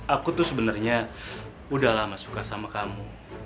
aku tuh sebenarnya udah lama suka sama kamu